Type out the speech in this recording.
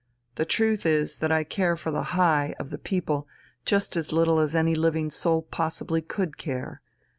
The truth is that I care for the 'Hi!' of the people just as little as any living soul possibly could care.